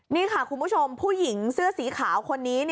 นี่ค่ะคุณผู้ชมผู้หญิงเสื้อสีขาวคนนี้